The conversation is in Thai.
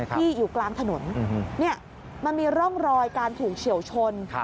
ที่อยู่กลางถนนมันมีร่องรอยการถูกเฉียวชน